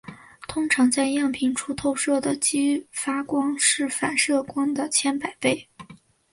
通常在样品处透射的激发光是反射光的千百倍。